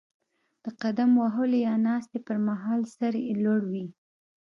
د قدم وهلو یا ناستې پر مهال سر یې لوړ وي.